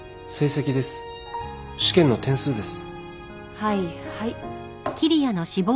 はいはい。